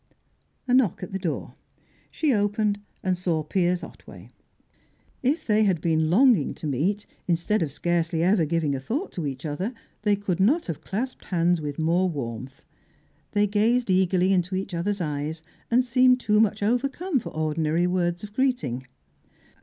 A knock at the door. She opened, and saw Piers Otway. If they had been longing to meet, instead of scarcely ever giving a thought to each other, they could not have clasped hands with more warmth. They gazed eagerly into each other's eyes, and seemed too much overcome for ordinary words of greeting.